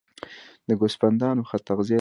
د ګوسفندانو ښه تغذیه د غوښې تولید زیاتوي.